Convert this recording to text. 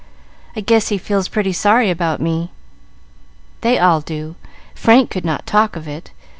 I guess he feels pretty sorry about me." "They all do. Frank could not talk of it.